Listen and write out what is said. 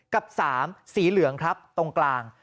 กับ๓สีเหลืองครับตรงกลาง